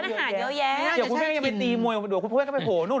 เดี๋ยวคุณแม่งจะไปตีมวยเดี๋ยวคุณผู้ให้เข้าไปโผล่นู้น